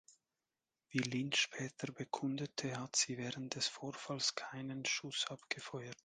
Wie Lynch später bekundete, hat sie während des Vorfalls keinen Schuss abgefeuert.